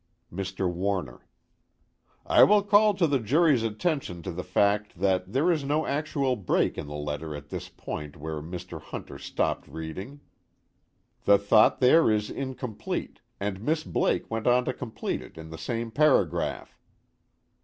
MR. WARNER: I will call the jury's attention to the fact that there is no actual break in the letter at the point where Mr. Hunter stopped reading. The thought there is incomplete, and Miss Blake went on to complete it in the same paragraph.